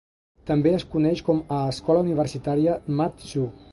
També es coneix com a Escola Universitària Mat-Su.